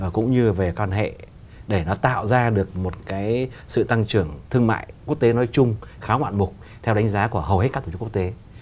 cũng như về quan hệ để tạo ra được sự tăng trưởng thương mại quốc tế nói chung khá hoạn mục theo đánh giá của hầu hết các tổ chức quốc tế